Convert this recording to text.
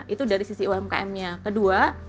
itu dari sisi umkm nya kedua